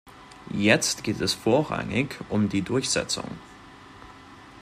Jetzt geht es vorrangig um die Durchsetzung.